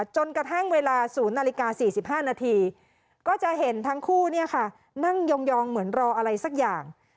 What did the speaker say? จนกระทั่งเวลา๐นาฬิกา๔๕นาทีก็จะเห็นทั้งคู่นั่งยองเหมือนรออะไรสักอย่าง